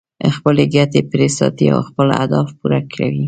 خپلې ګټې پرې ساتي او خپل اهداف پوره کوي.